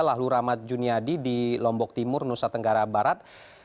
lalu rahmat juniadi di lombok timur nusa tenggara barat